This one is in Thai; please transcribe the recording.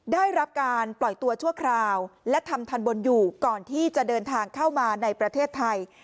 ได้รับการปล่อยตัวชั่วคราวและทำทันบนอยู่ก่อนที่จะเดินทางเข้ามาในประเทศไทย